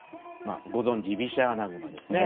ご存じ居飛車穴熊ですね。